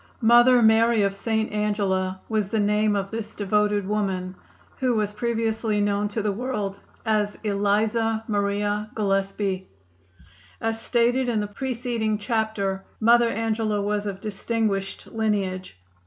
"Mother Mary of St. Angela" was the name of this devoted woman, who was previously known to the world as Eliza Maria Gillespie. As stated in the preceding chapter Mother Angela was of distinguished lineage.